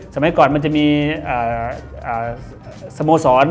สมัยก่อนมันจะมีสโมสร